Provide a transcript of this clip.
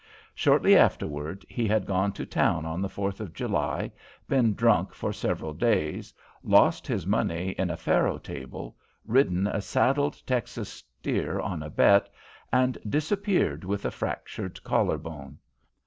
Shortly afterward, he had gone to town on the Fourth of July, been drunk for several days, lost his money at a faro table, ridden a saddled Texas steer on a bet, and disappeared with a fractured collar bone.